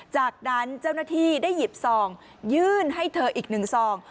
จากนั้นเจ้าหน้าที่ได้หยิบซองยื่นให้เธออีกหนึ่งซอง